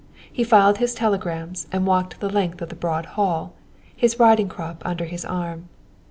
He filed his telegrams and walked the length of the broad hall, his riding crop under his arm.